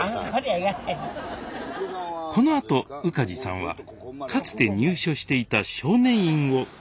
このあと宇梶さんはかつて入所していた少年院を訪ねます